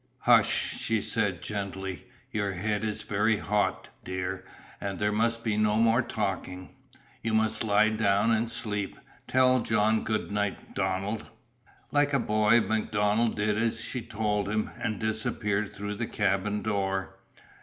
"Hush!" she said gently, "Your head is very hot, dear, and there must be no more talking. You must lie down and sleep. Tell John good night, Donald!" Like a boy MacDonald did as she told him, and disappeared through the cabin door.